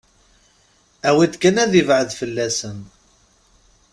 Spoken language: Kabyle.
Awi-d kan ad ibɛed fell-asen.